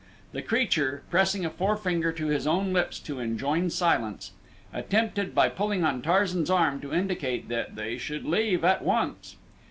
The creature, pressing a forefinger to his own lips as to enjoin silence, attempted by pulling on Tarzan's arm to indicate that they should leave at once.